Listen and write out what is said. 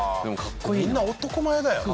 みんな男前だよな。